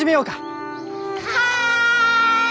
はい！